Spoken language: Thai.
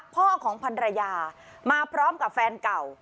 พ่อของพันรยามาพร้อมกับแฟนเก่า